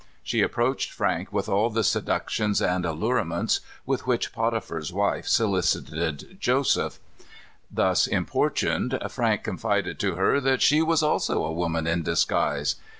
She approached Frank with all the seductions and allurements with which Potiphar's wife solicited Joseph. Thus importuned, Frank confided to her that she was also a woman in disguise.